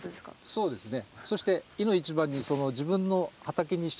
そうですね。